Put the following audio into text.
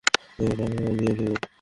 তোকে টাকা দিয়ে দেব।